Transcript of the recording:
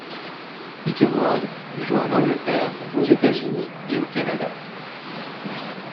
Peter Ward joue en Angleterre, aux États-Unis, et au Canada.